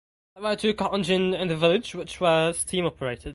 There were two cotton gin in the village which were steam operated.